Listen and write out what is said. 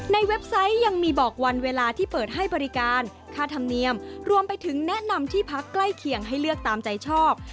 เว็บไซต์ยังมีบอกวันเวลาที่เปิดให้บริการค่าธรรมเนียมรวมไปถึงแนะนำที่พักใกล้เคียงให้เลือกตามใจชอบ